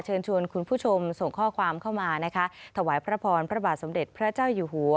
เชิญชวนคุณผู้ชมส่งข้อความเข้ามานะคะถวายพระพรพระบาทสมเด็จพระเจ้าอยู่หัว